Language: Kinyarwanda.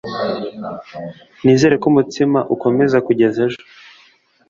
Nizere ko umutsima ukomeza kugeza ejo.